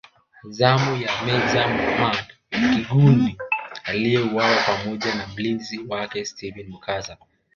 Zamu ya Meja Muhammad Kigundu aliyeuwa pamoja na mlinzi wake Steven Mukasa